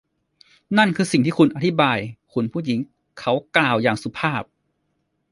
นั่นคือสิ่งที่คุณได้อธิบาย คุณผู้หญิง เขากล่าวอย่างสุภาพ